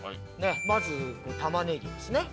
まず玉ねぎですね。